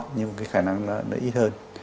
nhưng cái khả năng nó ít hơn